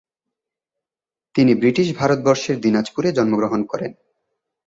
তিনি বৃটিশ ভারতবর্ষের দিনাজপুরে জন্মগ্রহণ করেন।